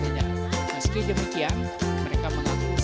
mereka mengetahui bahwa goes ini tidak bisa dihubungi dengan aplikasi goes